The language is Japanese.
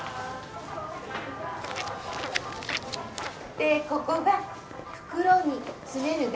でここが袋に詰める台。